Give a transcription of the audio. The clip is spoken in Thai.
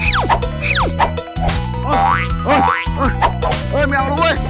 เฮ้ยไม่เอาแล้วเว้ย